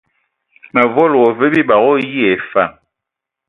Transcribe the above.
Mǝ volo wa lwi bibag o ayi ai fa.